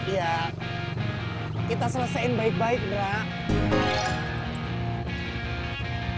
ya kita selesaikan baik baik mbak